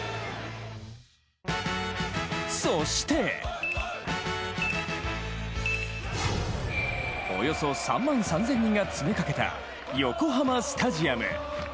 そしておよそ３万３０００人が詰めかけた横浜スタジアム。